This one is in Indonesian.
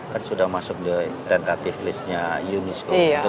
kan sudah masuk tentatif list nya unesco